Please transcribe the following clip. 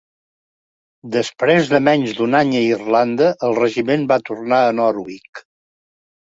Després de menys d'un any a Irlanda, el regiment va tornar a Norwich.